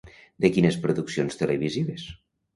I de quines produccions televisives?